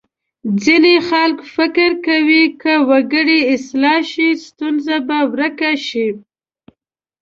ځینې خلک فکر کوي که وګړي اصلاح شي ستونزه به ورکه شي.